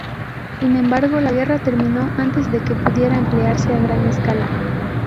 Sin embargo, la guerra terminó antes de que pudiera emplearse a gran escala.